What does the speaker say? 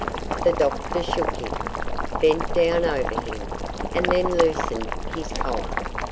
The doctor shook him, bent down over him, and then loosened his collar.